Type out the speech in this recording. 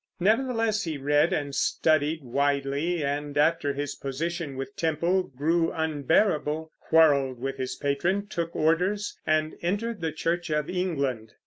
Nevertheless he read and studied widely, and, after his position with Temple grew unbearable, quarreled with his patron, took orders, and entered the Church of England.